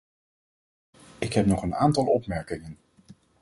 Ik heb nog een aantal opmerkingen.